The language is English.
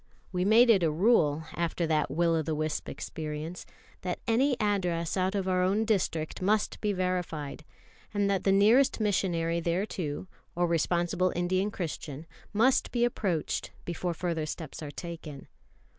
We made it a rule, after that will of the wisp experience, that any address out of our own district must be verified; and that the nearest missionary thereto, or responsible Indian Christian, must be approached, before further steps are taken.